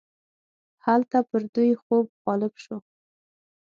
هلته پر دوی خوب غالب شو.